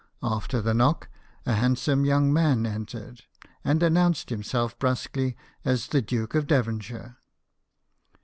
After the knock, a hand some young man entered, and announced him self brusquely as the Duke of Devonshire.